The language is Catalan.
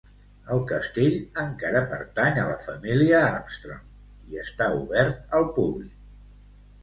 El castell encara pertany a la família Armstrong, i està obert al públic.